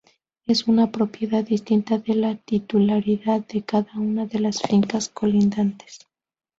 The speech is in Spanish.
Es una propiedad distinta de la titularidad de cada una de las fincas colindantes.